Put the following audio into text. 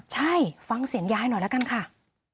ใช่ฟังเสียงยายหน่อยละกันค่ะ